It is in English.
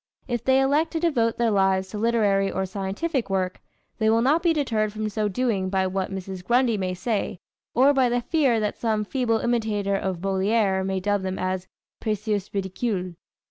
If they elect to devote their lives to literary or scientific work, they will not be deterred from so doing by what Mrs. Grundy may say, or by the fear that some feeble imitator of Molière may dub them as Précieuses Ridicules.